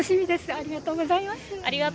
ありがとうございます。